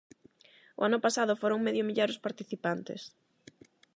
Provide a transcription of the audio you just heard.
O ano pasado foron medio millar os participantes.